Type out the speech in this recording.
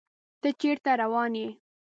ته چیرته روان یې؟